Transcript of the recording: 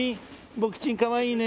僕チンかわいいね。